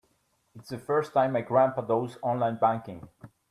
It's the first time my grandpa does online banking.